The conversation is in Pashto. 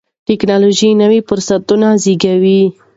ټیکنالوژي نوي فرصتونه زیږوي.